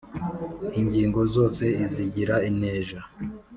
Ingingo zose izigira inteja